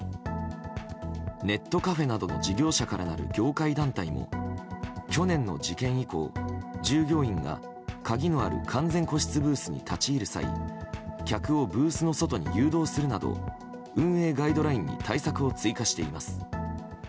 ネットカフェなどの事業者からなる業界団体も去年の事件以降従業員が鍵のある完全個室ブースに立ち入る際客をブースの外に誘導するなど運営ガイドラインに対策を追加しています。